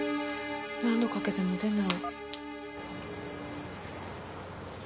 何度かけても出ない。